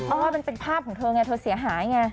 เพราะว่ามันเป็นภาพของเธอไงเธอเสียหายไง